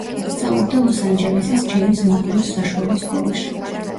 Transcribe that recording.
სწავლობდა ლოს-ანჯელესის ჯეიმზ მონროს საშუალო სკოლაში.